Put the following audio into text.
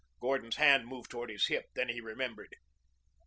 Gordon's hand moved toward his hip. Then he remembered.